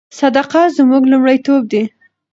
صداقت زموږ لومړیتوب دی.